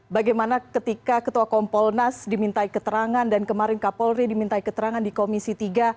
bagaimana ketika ketua kompolnas dimintai keterangan dan kemarin kapolri dimintai keterangan di komisi tiga